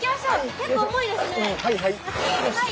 結構、重いですね。